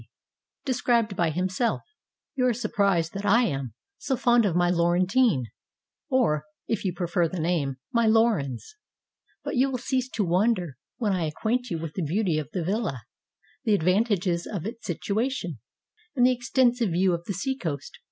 d.] DESCRIBED BY HIMSELF You are surprised that I am so fond of my Laurentine, or (if you prefer the name) my Laurens: but you will cease to wonder when I acquaint you with the beauty of the villa, the advantages of its situation, and the exten sive view of the seacoast.